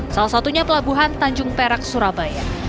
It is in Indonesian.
salah satunya pelabuhan tanjung perak surabaya